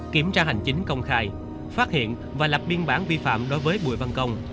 kiểm tra hành chính công khai phát hiện và lập biên bản vi phạm đối với bùi văn công